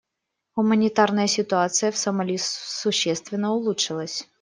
Гуманитарная ситуация в Сомали существенно улучшилась.